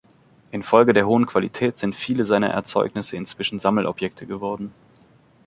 Infolge der hohen Qualität sind viele seiner Erzeugnisse inzwischen Sammelobjekte geworden.